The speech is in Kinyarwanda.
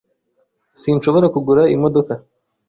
Sinshobora kugura imodoka.